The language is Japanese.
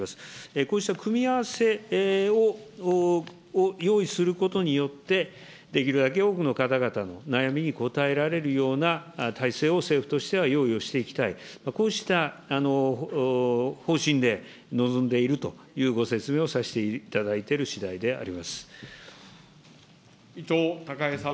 こうした組み合わせを用意することによって、できるだけ多くの方々の悩みに応えられるような体制を政府としては用意をしていきたい、こうした方針で臨んでいるというご説明をさせていただいているし伊藤孝恵さん。